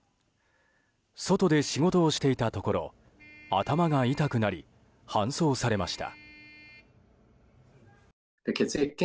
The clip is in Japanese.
外で仕事をしていたところ頭が痛くなり、搬送されました。